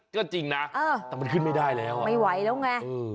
ก็จริงนะแต่มันขึ้นไม่ได้แล้วไม่ไหวแล้วไง